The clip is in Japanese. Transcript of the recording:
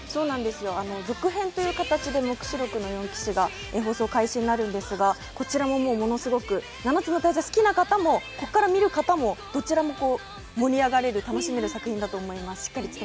はい、続編という形で「黙示録の四騎士」こちらもものすごく、「七つの大罪」好きな方もここから見る方も、どちらも盛り上がる楽しめる作品だと思います。